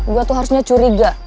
gue tuh harusnya curiga